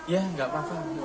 ya tidak apa apa